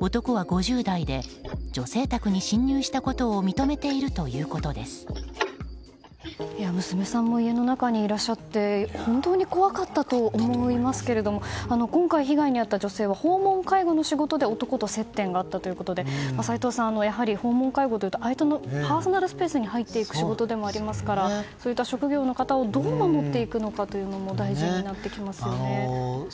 男は５０代で女性宅に侵入したことを娘さんも家の中にいらっしゃって本当に怖かったと思いますけれど今回、被害に遭った女性は訪問介護の仕事で男と接点があったということで齋藤さん、訪問介護というと相手のパーソナルスペースに入っていく仕事でもありますからそういった職業の方をどう守っていくのかも大事になっていきますよね。